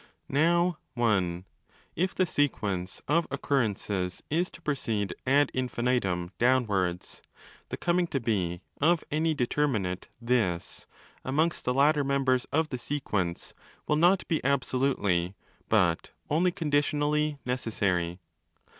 Now (i) if the sequence of occurrences is to proceed ad | infinitum 'downwards ',' the coming to be of any determi nate 'this' amongst the later members of the sequence will not be absolutely, but only conditionally, necessary.